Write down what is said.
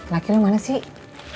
lagi lu mana sih